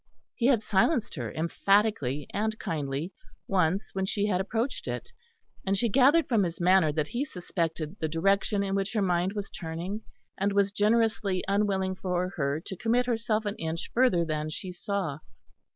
He had silenced her emphatically and kindly once when she had approached it; and she gathered from his manner that he suspected the direction in which her mind was turning and was generously unwilling for her to commit herself an inch further than she saw.